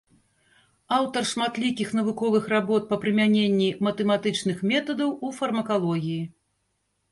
Аўтар шматлікіх навуковых работ па прымяненні матэматычных метадаў у фармакалогіі.